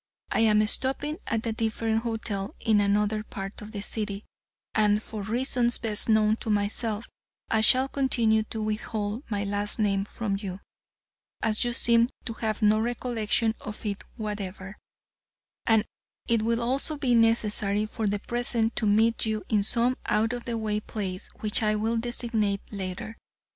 I am stopping at a different hotel in another part of the city, and for reasons best known to myself, I shall continue to withhold my last name from you, as you seem to have no recollection of it whatever, and it will also be necessary for the present to meet you in some out of the way place, which I will designate later.